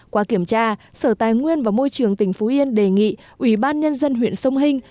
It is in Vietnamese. qua kiểm tra sở tài nguyên và môi trường tỉnh phú yên đề nghị ủy ban nhân dân huyện sông hình